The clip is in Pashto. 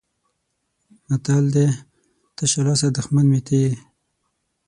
متل دی: تشه لاسه دښمن مې ته یې.